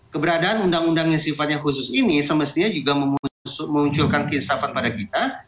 keberadaan undang undang yang sifatnya khusus ini semestinya juga memunculkan keinsapan pada kita